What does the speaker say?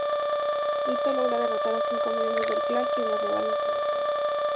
Ittō logra derrotar a cinco miembros del clan, quienes le revelan su misión.